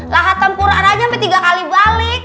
lahat tempuran aja sampai tiga kali balik